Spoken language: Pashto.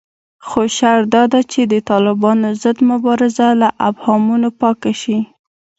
خو شرط داده چې د طالبانو ضد مبارزه له ابهامونو پاکه شي